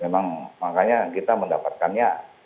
memang makanya kita mendapatkannya